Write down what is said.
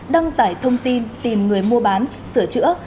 đăng tải thông tin tìm người mua bán sửa chữa